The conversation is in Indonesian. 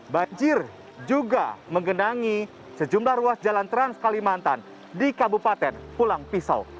banjir juga menggenangi sejumlah ruas jalan trans kalimantan di kabupaten pulang pisau